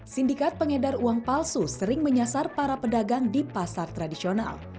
sindikat pengedar uang palsu sering menyasar para pedagang di pasar tradisional